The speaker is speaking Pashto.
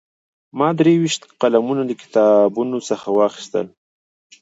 ما درې ویشت قلمونه له کتابتون څخه واخیستل.